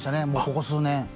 ここ数年。